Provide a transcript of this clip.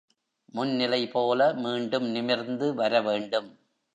முன் நிலைபோல, மீண்டும் நிமிர்ந்து வர வேண்டும்.